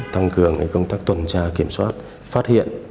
tăng cường công tác tuần tra kiểm soát phát hiện